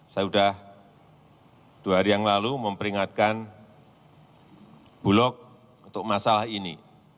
saya sudah dua hari yang lalu memperingatkan bulog untuk masalah ini